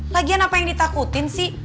lagian apa yang ditakutin sih